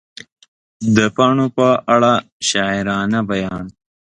د پاڼو په اړه شاعرانه بیان